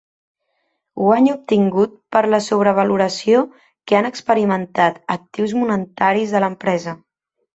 Guany obtingut per la sobrevaloració que han experimentat actius monetaris de l'empresa.